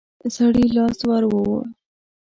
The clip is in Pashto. سړي لاس ور ووړ.